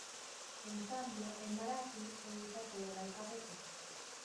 En cambio, en marathi se usa todo el alfabeto.